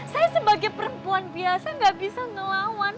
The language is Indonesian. saya sebagai perempuan biasa gak bisa ngelawan